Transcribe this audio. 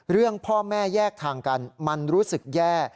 เรื่องพ่อแม่แยกทางกันมันรู้สึกแย่